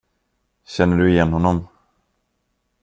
Känner du igen honom?